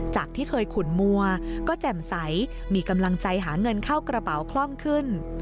จากที่เคยขุนมัวก็แจ่มใสมีกำลังใจหาเงินเข้ากระเป๋าคล่องขึ้น